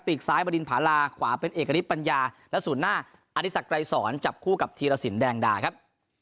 กซ้ายบดินผาลาขวาเป็นเอกณิตปัญญาและศูนย์หน้าอธิสักไกรสอนจับคู่กับธีรสินแดงดาครับ